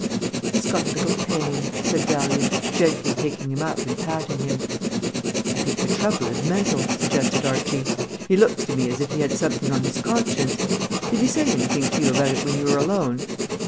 "He's got a little pain," said Dahlia gently taking him up and patting him. "I think the trouble is mental," suggested Archie. "He looks to me as if he had something on his conscience. Did he say anything to you about it when you were alone?"